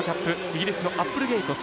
イギリスのアップルゲイト。